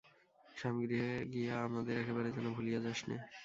স্বামীগৃহে গিয়া আমাদের একেবারে যেন ভুলিয়া যাস নে।